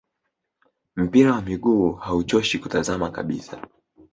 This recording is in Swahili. Mpira wa miguu hauchoshi kutazama kabisa